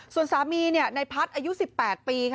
ส่วนสามีในพัฒน์อายุ๑๘ปี